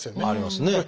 ありますね。